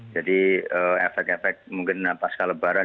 jadi efek efek mungkin pasca lebaran